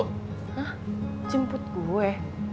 hah jemput gue